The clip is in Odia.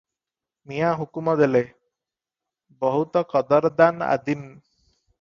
ମିଆଁ ହୁକୁମ କଲେ, "ବହୁତ କଦରଦାନ୍ ଆଦିମ୍ ।